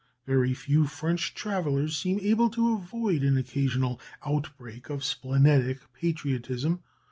Very few French travellers seem able to avoid an occasional outbreak of splenetic patriotism.